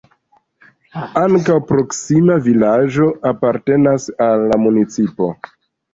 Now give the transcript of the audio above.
Ankaŭ proksima vilaĝo apartenas al la municipo.